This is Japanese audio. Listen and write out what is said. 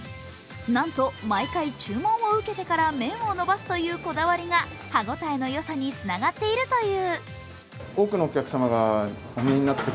なんと毎回注文を受けてから麺をのばすというこだわりが歯ごたえの良さにつながっているという。